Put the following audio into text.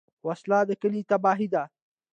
وسله د کلي تباهي ده